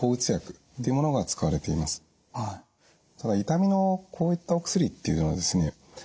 痛みのこういったお薬っていうのはですね